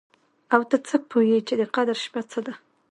او ته څه پوه يې چې د قدر شپه څه ده؟